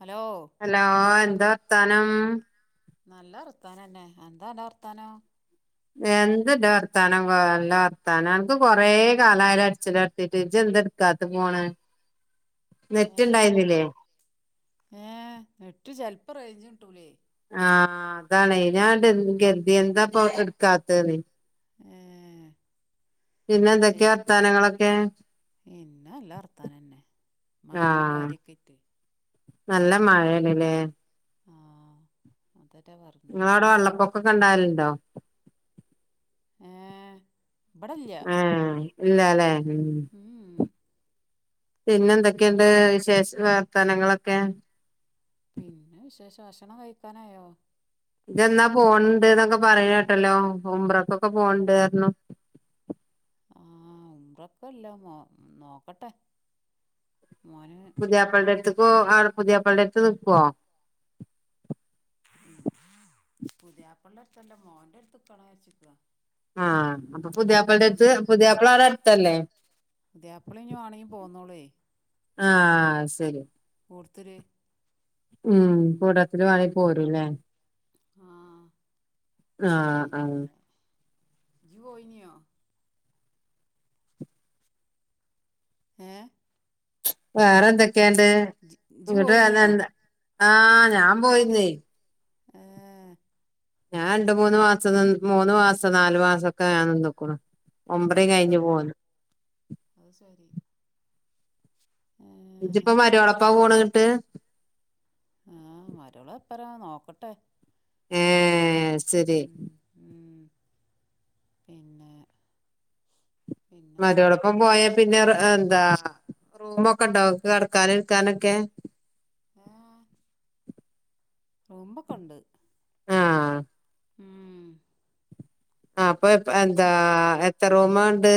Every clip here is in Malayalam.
ഹലോ ഹലോ എന്താ വർത്താനം. നല്ല വർത്താനന്നെ എന്താ അന്റെ വർത്താനം. എന്താ അന്റെ വർത്താനം നല്ല വർത്താനം അനക്ക് കൊറെ കാലായിലെ അടിച്ചലൊടത്തീട്ട് ഇജ്ജ് എന്താ എടുക്കാത്തെ ഫോണ്. ഏ നെറ്റ്ണ്ടായിന്നില്ലേ. ഇപ്പം റേഞ്ച് കിട്ടൂലെ. ആ അതാണെ ഞാൻന്നട്ട് എന്നും കരുതി എന്താപ്പൊ ഇ ട്ക്കാത്തേന്ന്. ഏ പിന്നെ പി എന്തൊക്കെയാ വർത്താനങ്ങളൊക്കെ. മയിം ആഹ് കാര്യക്കായിട്ട് നല്ല മഴലലേ. ആ അതന്നെ പറഞ്ഞ് ങ്ങളവിടെ വെള്ളപ്പൊക്കൊക്കെ ഉണ്ടാവലു ണ്ടോ? ഏ ഇബടല്ല ആ ഇല്ലാലെ ഉം. ഉം പിന്നെ എന്തൊക്കെയുണ്ട് വിശേഷ വർത്തനങ്ങളൊക്കെ. പിന്നെ വിശേഷം ഭക്ഷണം കഴിക്കാനായോ? ഇതജ് എന്നാ പോണണ്ട് ന്നൊക്കെ പറയ്ണെ കേട്ടല്ലോ ഉംറക്കൊക്കെ പോണ് ണ്ട് പറഞ്ഞു. ആ ഉംറക്കല്ല നോ നോക്കട്ടെ പോവാൻ. പുതിയാപ്പള്ളിന്റെ അടുത്തുക്കോ ആടെ പുതിയാപ്പള്ളിന്റെ അടുത്ത് നിക്കോ? പുതിയാപ്പള്ളന്റെ അടുത്തല്ല മോന്റെ അടുത്ത് നിക്കണം വിചാരിച്ചുക്കുവാ. ആ അപ്പൊ പുതിയാപ്പിളന്റെ അടുത്ത് പുതിയയാപ്പിള ആടെ അടുത്തല്ലേ. പുതിയാപ്പള ഇനി വാണെങ്കി പോന്നോളേ ആ സരി. കൊടുത്തരെ ഉം കൂടത്തില് വാങ്ങി പോരുല്ലേ, ആഹ് ആഹ് ആഹ് ജ് പോയിന്യോ ഏ വേറെ എന്തൊക്കെയാണ്ട് ഇജ്ജ് ഇങ്ങോട്ട് വേന്ന പോയിനിയോ എന്താ. ആഹ ഞാൻ പോയിരുന്നേ. ഏഹ് ഞാണ്ട് മൂന്ന് മാസം നിന്ന് മൂന്ന് മാസം നാലു മാസക്കെ ഞാൻ നിന്നു ക്ക്ണ് ഉംറേം ഏഹ് കഴിഞ്ഞ് പോന്ന് അത് ശരി ഏഹ് ഇജ്പ്പോ മരിയോളപ്പാ പോണ് ന്നട്ട് ആഹ് മരിയോളപര നോക്കട്ടെ ഏഹ് ഏഹ് ഉം ഉം പിന്നെ പിന്നെന്താ മരിയോളപ്പം പോയ പിന്നെ എന്താ റൂമൊക്കെണ്ടാവു കെടക്കാനും ഇരിക്കാനൊക്കെ ഏഹ് റൂമൊക്കെണ്ട് ആഹ് ഉം ആ ഇപ്പൊ എന്താ എത്ര റൂമ ഉണ്ട്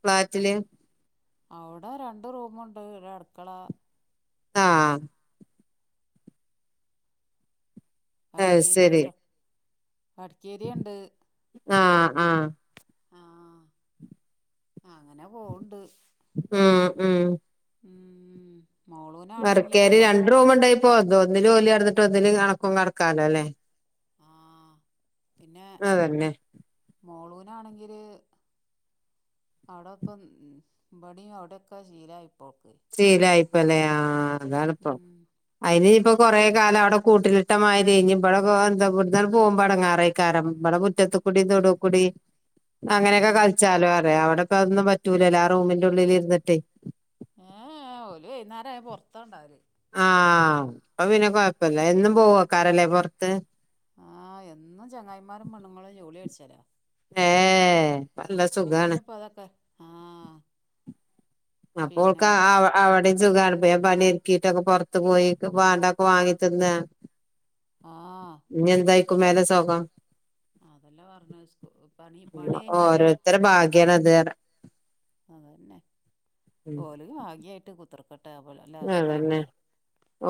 ഫ്ളാറ്റില് അവിടെ രണ്ട് റൂമുണ്ട് ഒരടുക്കള ആഹ് അത് ശരി വർക്കേറിക്കോണ്ട് വർക്കേരിയാണ്ട് ആഹ് ആഹ് ആഹ് അങ്ങനെ പോണ്ട് ഉം ഉം ഉം മോളൂനാണെങ്കി ഇനിയിപ്പോ വർക്കെരിയ ഇവിടുന്ന് രണ്ട് റൂമ്ണ്ടെങ്കി പോ ഒന്നില് ഓല് കെടന്നിട്ട് ഒന്നില് അനക്കും കെടക്കാലോ അല്ലേ ആഹ് പിന്നെ അതന്നെ മോളൂനാണെങ്കില് അവിടെപ്പം ഇബടിം അവിടെക്കെ ശീലമായി ശീലായിപ്പല്ലേ ആ അതാണ്പ്പം ഉം അയിനിപ്പം കൊറെ കാലം അവിടെ കൂട്ടിലിട്ടമാരി ഇനിബ്ടെ കോഎന്ത ഇബട്ന്നാട് പോമ്പോടങ്ങാറേയിക്കാരം ഇബ്ടെ മുറ്റത്ത് കുടി തോടു കുടി അഹ് അങ്ങനെക്കെ കളിച്ചാലോറയ അവിടൊക്കൊന്നും പറ്റൂലലോ ആ റൂമിന്റുള്ളിലിരുന്നിട്ടേ ഏഹ് ഏഹ് ഓല് വെയ്ന്നേരം ആയ പൊറത്താണ്ടാവല് ആഹ് അപ്പപിന്നെ കൊയപ്പില്ല എന്നും പോവോക്കാരല്ലേ പൊറത്ത് ആഹ് എന്നും ചെങ്ങായിമാരും പെണ്ണുങ്ങളും ജോളി അടിച്ചരാ ഏഹ് നല്ല സുഖാണ് മോളുന്പതക്കെ ആഹ് അപ്പോൾക്ക പിന്നെ ആ ആഹ് അവിടെ സുഖാണ് വേഗം പണി ഒതുക്കിട്ടങ്ങ് പൊറത്ത് പോയി വാണ്ടൊക്കെ വാങ്ങിതിന്ന് ആഹ് ഇഞി എന്തായിക്കും മേലെ സോഖം അതെല്ലെ പറഞ്ഞ സ്കു പണി പണി കയ്ഞ്ഞാല് ഓരോരുത്തരെ ഭാഗ്യാണത് പറയ അതന്നെ ഉം ഓലൊരു ഭാഗ്യായിട്ട് കുത്രീക്കെട്ട അതന്നെ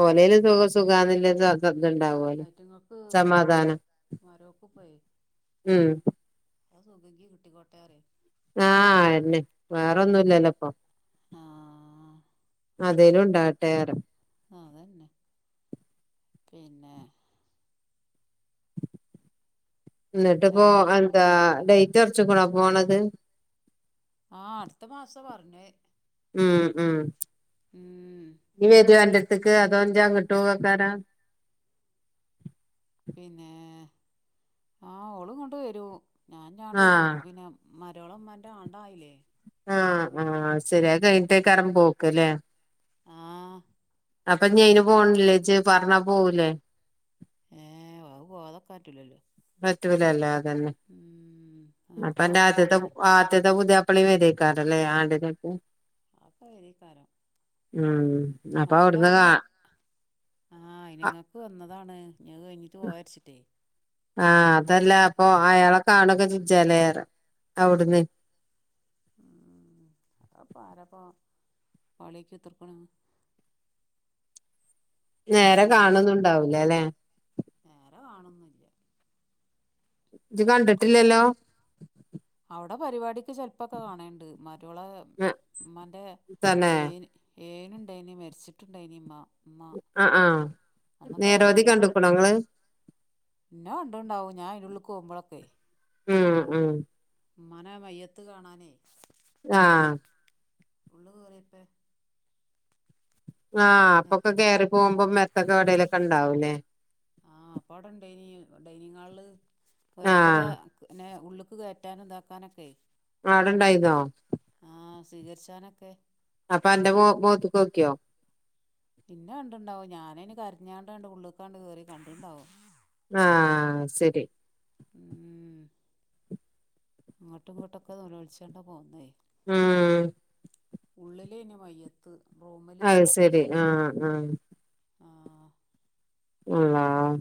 ഓലൈനും സുഖ സുഖന്നില്ല ഇതുണ്ടാവോല് ആയിറ്റങ്ങക്ക് സമാധാനം മരോക്ക് ഉം സുഖെങ്കി കിട്ടിക്കോട്ടേറയും ആഹ് അയന്നെ വേറൊന്നുല്ലല്ലോപ്പൊ ആഹ് അതേലും ഉണ്ടാവട്ടെറയു അതന്നെ പിന്നെ എന്നിട്ട്പ്പോ വേറെ എന്താ ലേറ്റ് ഒറച്ക്കണോ പോണത് ആഹ് അടുത്ത മാസാ പറഞ്ഞേ ഉം ഉ ഉം നീ വരോഅന്റെഅടുത്ത് ക്ക് അതോഞ്ചാ കിട്ടും കേക്കാരാ പിന്നെ ആ ഓള് കൊണ്ട് വരൂ ഞാൻ ഞാണ്ട് ആഹ് പിന്നെ മരോളമമാന്റെ ആടായില്ലേ ആഹ് ആഹ ശരിയാ കഴിഞ്ഞിട്ടേക്ക്യെകാരം പോക്കല്ലേ ആഹ് അപ്പൊ ഞയിന് പോണില്ലേജ പറഞ്ഞാ പോവൂലേ ഏ വ പോതൊക്കെ ആറ്റലല്ലോ പറ്റൂലല്ലോ അതന്നെ അടുത്ത മാസം ആദ്യത്തെ ആദ്യത്തെപുതിയാ [unintelligible] ആണ്ടിനൊക്കെ അപ്പോവേരേക്കാരം ഉം അപ്പൊ മരോള അവിടുന്ന് അയിന് കാ ആഹ അയിന്ങ്ങക്ക് വന്നതാണ് ഞ് അത് കഴിഞ്ഞിട്ട് പോയരിച്ചിട്ടേ ആഹ അതല്ല അപ്പൊ അയാളെ കാണൊക്കെ ചെയ്ഞ്ചല്ലേ അവിടുന്ന് ഉം [inaudible] അപ്പൊ ആരപ്പ പാളി നോക്കി കുത്തർക്കണേ നേരെ കാണുന്നുണ്ടാവൂല അല്ലെ നേരെ കാണൊന്നുല്ല ഞ് കണ്ടിട്ടില്ലല്ലോ അവടെ പരിവാടിക്ക് ചെലപ്പൊക്കെ കാണല്ണ്ട് മരോളെ ഇമ്മാന്റെ തന്നെ ഏയ്‌ന് ഏയ്ന്ണ്ടായിന് മരിച്ചിട്ട്ണ്ടായിന് ഇമ്മ ഉമ്മ ആഹ് ആഹ് അന്നൊക്കെ നേരവതി കണ്ട്ണ് കണ്ട്ക്ക്ണോങ്ങള് ഇന്നെ കണ്ട്ണ്ടാവും ഞാൻ അയന്റെ ഉളള്‌ക്കോവുമ്പഴക്കെ ഉം ഉം ഇമ്മാനെ മയ്യത്ത് കാണാനേ ആഹ് ഉള്ള് കേറിയപ്പോ ആഹ് അപ്പൊക്കെ കേറി പോവുമ്പോ ഇമ്മര്ത്തൊക്കെ എവടേലൊക്കെ ഇണ്ടാവു ലേ ആഹ് അപ്പ അയുടെ ഇണ്ടെയ്നി ഇപ്പ ഡൈനിങ് ഹാൾൽ ഓരോര്ത്തെരെ ആഹ് പിന്നെ ഉള്ള്ക്ക് കെയ്റ്റാനും ഇതാക്കാനൊക്കെയ് ആടെണ്ടായിന്നോ സ്വീകെര്ച്ചാനൊക്കെ അപ്പ അന്റെ ബോ ബോത്ത്ക്കോക്കിയോ? ഇന്നെ കണ്ട്ണ്ടാവും ഞാൻ അയിന് കര്ഞ്ഞാണ്ട് ആണ്ട് ഉള്ള്ക്കാണ്ട് കേറി കണ്ട് ഇണ്ടാവും ആഹ് സെരി ഉം അങ്ങെട്ടും ഇങ്ങെട്ടൊക്കെ നോളോൾച്ചാണ്ടാ പൊന്നെ ഉം ഉള്ള്ലെയിനി മയ്യെത്ത് അയ് സെരി ആഹ് ആഹ് ആ അള്ളാഹ്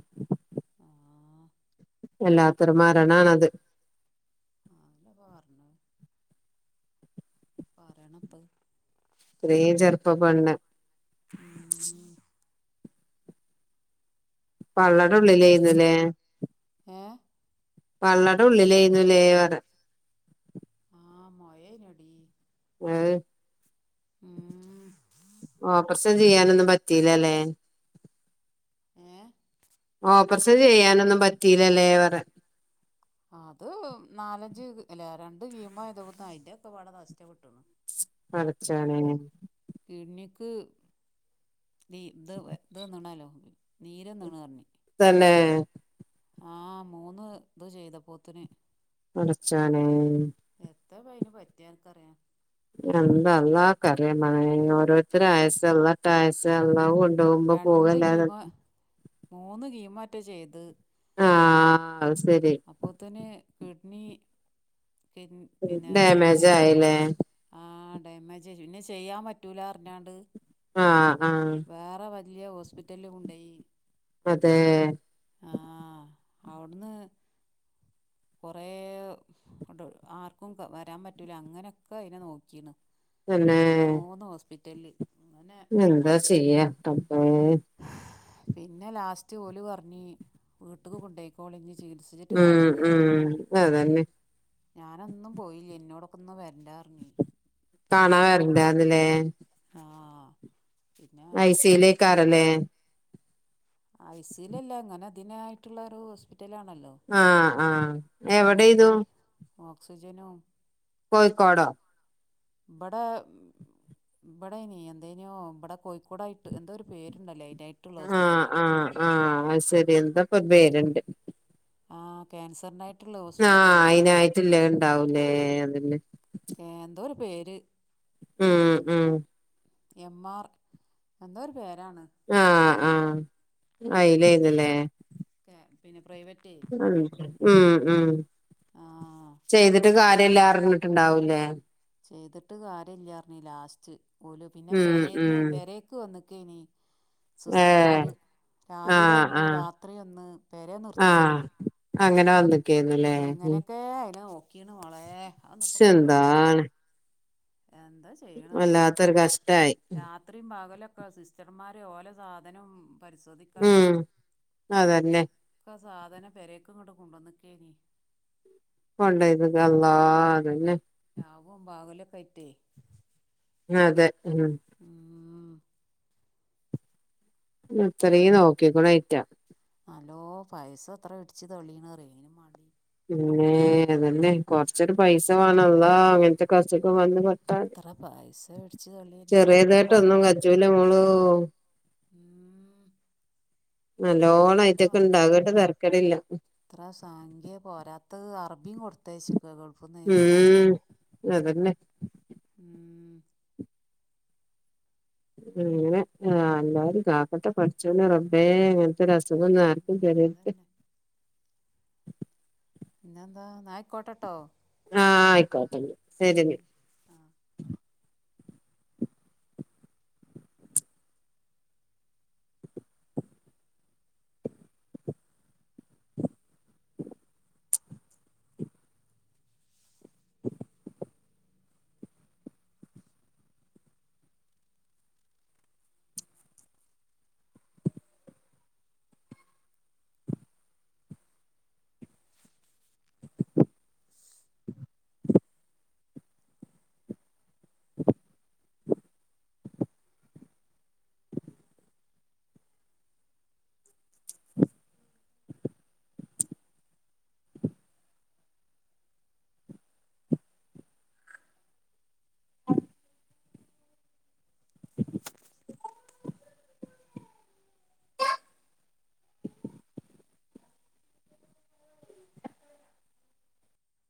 ആ വല്ലാത്തൊര് മരണം ആണ് അത് ആഹ് അഹെല്ലെപ്പം പർണെ പറെണപ്പ അഹ് ഇത്രീം ചെറ്പ്പപ്പെണ് ഉം പള്ളടെ ഉള്ളിലെയ്ന്നുലെ ഏഹ് പള്ളടെ ഉള്ളിലെയ്ന്നുലെ പറിയാ ആഹ് മൊയെനു എടി അഹ് ഉം ഓപ്പറെഷം ചെയ്യാനൊന്നും പറ്റീല ലെ ഏഹ് ഓപ്പറേഷം ചെയ്യാനൊന്നും പറ്റീലലെ പറിയാ അത് നാൽ അഞ്ച് അല്ല രണ്ട് കീമേ ചെയ്തപ്പോത്തിന് അയിന്റെ ഒക്കെ പാടെ നഷ്ടപെട്ട്ക്ക്ണ് പടച്ചോനേ. ഇണ്ണിക്ക് തീ ഇത് ഇത് വന്ന്ണാലോ നീര് വന്ന് ണ് പറഞ്ഞു. തന്നേ ആഹ് മൂന്ന് ഇത് ചെയ്തപ്പോത്തിന്. പടച്ചോനേ. എത്താപ്പ അയ്ന് പറ്റി അൻക്കറിയാ എന്താ അള്ളാക്ക് അറിയാ മളേ ഓരോരുത്തരെ ആയസ്സ് അള്ളട്ടായസ്സ് അള്ളാഹു കൊ ണ്ടോവുമ്പോ രണ്ട് പോകല്ലാതെ [inaudible] കീമോ മൂന്ന് കീമോറ്റെ ചെയ്ത് ആഹ് അത് ശരി അപ്പോത്തിന് കിഡ്നി കിൻ പിന്നെ ഇതിന് ഡാമേജ് ആയില്ലേ ആ ഡാമേജെജു പിന്നെ ചെയ്യാൻ പറ്റൂലാ അർഞ്ഞാണ്ട്. ആഹ് ആഹ്. ഇല്ല്യാ ഹോസ്പിറ്റൽ ല് കൊണ്ടോയി. അതേ ആഹ അവിടുന്ന്. കൊറേ ആർക്കും വരാൻ പറ്റൂല അങ്ങനൊക്കെ അതിനെ നോക്കീന്ന്. തന്നെ പിറ്റലി എന്താ ചെയ്യാ റബ്ബേ. പിന്നെ ലാസ്റ്റ് ഓല പറഞ്ഞഞ് വീട്ടക്ക് കൊണ്ടയിക്കോളി ഉം ചികിൽസിച്ചിട്കാര്യമില്ല ഉം അതന്നെ ഞാനൊന്നും പോയില്ലേ എന്നോട്. ഒന്നും വരണ്ട എന്ന് പറഞ്ഞു. കാണാൻ വരണ്ടാന്ന് ല്ലേ. ആ പിന്നെ ഐ സിയിലേക്കാരല്ലേ ഐ സി ലല്ല അങ്ങനെ ഇതിനായിട്ടുള്ള ഒരു ഹോസ്.. ആ ആ എവിടെന്നു. മോക്കൂല് ഓക്സിജനും കോയികോടോ. ബടാ ഇവിടെ ഇനി എന്തേനോ ഇവിടെ കോഴിക്കോട ആയിട്ട് എന്താ ഒരു പേരുണ്ടല്ലേ. നായിട്ടുള്ള ഹോസ്പിറ്റല്. പ്പ പേരുണ്ട് ആ ക്യാൻസറിനായിട്ട് ആ അയിന ആയിട്ടില്ലേ ഉണ്ടാവൂലേ അതന്നെ. കേ എന്തോ ഒരു പേര് ഉം ഉം എം ആർ എന്ത പേരാണ് ആഹ് ക്യാൻസ് ആഹ് ആക്കെ ഉ ഉ ഉ ആ ചെയ്തിട്ട് കാര്യല്ല. പറഞ്ഞിട്ടുണ്ടാവൂലേ ചെയ്തിട്ട് കാര്യല്ലാർഞ് ലാസ്റ്റ് പോലും പിന്നെ ഉം പെരേല് ഉം പെരേക്ക് വന്നക്ക് ഇനി. ഏ സിസ്റ്റർമാര് രാവിലെ ആഹ് ഒന്ന് ആഹ് രാത്രി ഒന്ന് പേരെ ആഹ് നിർത്തിക്കനി. അങ്ങനെ വന്ന് ക്കായിരുന്നല്ലേ.. അയിനെ നോക്കീണ് മോളെ അതൊന്നും ഇപ്പൊ പറയണ്ട ചന്താണ് എന്താ ചെയ്യണ് വല്ലാത്തൊരു കഷ്ടായി. രാത്രിയും പകലൊക്കെ സിസ്റ്റർമാര് ഓലെ സാധനം പരിശോധിക്കാനും ഉം അതന്നെ ഒക്കെ സാധനം പെരേക്കും ഇങ്ങോട്ട് കൊണ്ടുവന്നക്കേന കൊള്ളത്ഗല്ലാ അതന്നെ ലാപം ബാകലൊക്കെയിറ്റേ ആ അതെ ഉം അത്രയും നോക്കിക്കുണയറ്റ ഹലോ പൈസ എത്ര പിടിച്ച് തെളിയണറയ്നി പിന്നെ അതല്ലെ കൊറച്ചൊരു പൈസ വേണള്ളാ ങ്ങനത്തെ കസക്ക വന്ന് എത്ര പായസം ഇടിച്ച് തള്ളി എൻ്റെ ചെറിയതായിട്ട മരോളെ ഒന്നും കജൂല മോളോ ഉം അതല്ല നല്ലോണംയിതൊക്കെ പറഞ്ഞെ ഇണ്ടകട്ട് തെർക്കടില്ല അടുത്ത അറബിയും കൊടുത്തച്ചിക്ക കൊഴപ്പന്ന അ അതല്ലേ ഉം അങ്ങനെ ആ എല്ലാരും കാക്കട്ടെ പഠിച്ചോന റബേ അങ്ങനത്തെ ഒരു അസുഖം ഒന്ന [unintelligible] അതന്നെ പിന്നെന്താ നായിക്കോട്ടട്ടോ ആഹ് ആയിക്കോട്ടെ ശരി [unintelligible]